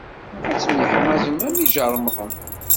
Ad temyeḥmaẓem am yijirmeḍen.